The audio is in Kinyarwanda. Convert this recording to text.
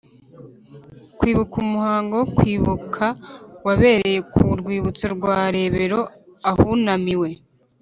Kwibuka umuhango wo kwibuka wabereye ku rwibutso rwa Rebero ahunamiwe